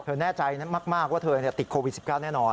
แน่ใจมากว่าเธอติดโควิด๑๙แน่นอน